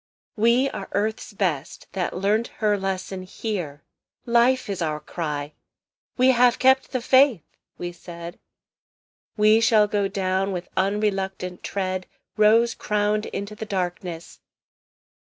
"We are Earth's best, that learnt her lesson here. Life is our cry. We have kept the faith!" we said; "We shall go down with unreluctant tread Rose crowned into the darkness!"